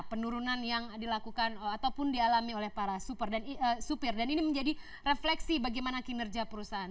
penurunan yang dilakukan ataupun dialami oleh para supir dan ini menjadi refleksi bagaimana kinerja perusahaan